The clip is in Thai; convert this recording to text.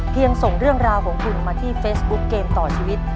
ส่งเรื่องราวของคุณมาที่เฟซบุ๊คเกมต่อชีวิต